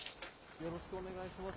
よろしくお願いします。